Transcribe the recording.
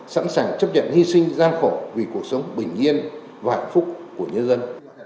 sẵn sàng chấp nhận hy sinh gian khổ vì cuộc sống bình yên và hạnh phúc của nhân dân